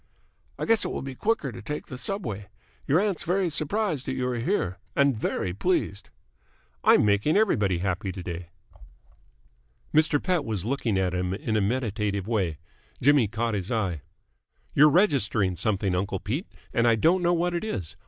"I guess it will be quicker to take the subway. Your aunt's very surprised that you are here, and very pleased." "I'm making everybody happy to day." Mr. Pett was looking at him in a meditative way. Jimmy caught his eye. "You're registering something, uncle Pete, and I don't know what it is.